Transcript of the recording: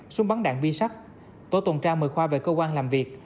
súng bắn đạn bi sắt tổ tuần tra mời khoa về cơ quan làm việc